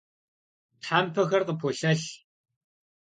Thempexer khıpolhelh.